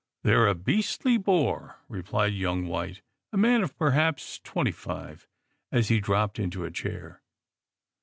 They're a beastly bore," replied young White, a man of perhaps twenty five, as he dropped into a chair.